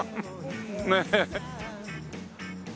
ねえ？